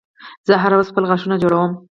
زه هره ورځ خپل غاښونه جوړوم